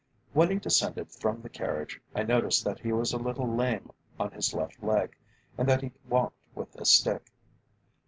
When he descended from the carriage, I noticed that he was a little lame on his left leg, and that he walked with a stick.